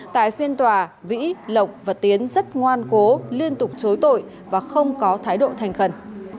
tại phiên tòa vĩ lộc và tiến rất ngoan cố liên tục chối tội và không có thái độ thành khẩn